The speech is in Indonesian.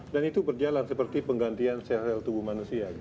dan itu berjalan seperti penggantian sel sel tubuh manusia